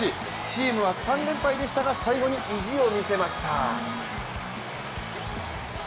チームは３連敗でしたが最後に意地を見せました。